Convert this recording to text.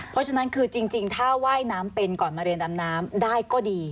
เพราะฉะนั้นคือจริงถ้าว่ายน้ำเป็นก่อนมาเรียนดำน้ำได้ก็ดี